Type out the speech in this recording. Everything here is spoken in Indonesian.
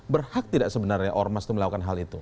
berhak tidak sebenarnya ormas itu melakukan hal itu